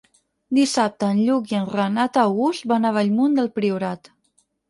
Dissabte en Lluc i en Renat August van a Bellmunt del Priorat.